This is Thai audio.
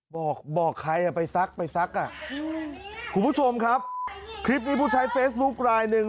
บอกใครไปซักคุณผู้ชมครับคลิปนี้ผู้ใช้เฟซบุ๊คไลน์หนึ่ง